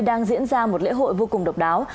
đang diễn ra một lễ hội vô cùng độc đáo